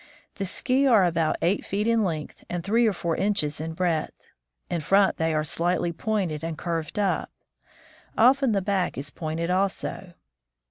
The ski are about eight feet in length and three or four inches in breadth. In front they are slightly pointed and curved up ; often the back is pointed also.